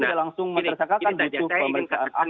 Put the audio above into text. tidak langsung menersakakan